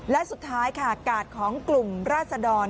และสุดท้ายค่ะกาดของกลุ่มราศดร